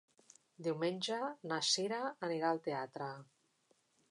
Diumenge na Sira anirà al teatre.